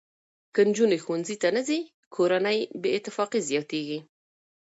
که نجونې ښوونځي ته نه ځي، کورني بې اتفاقي زیاتېږي.